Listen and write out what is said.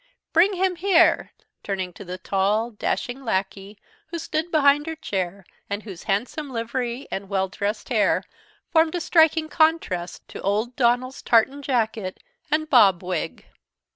Bring him here!" turning to the tall, dashing lackey who stood behind her chair, and whose handsome livery and well dressed hair formed a striking contrast to old Donald's tartan jacket and bob wig.